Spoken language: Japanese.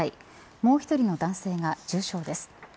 もう１人の男性が重傷です。